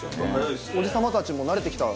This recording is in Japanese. おじ様たちも慣れてきた？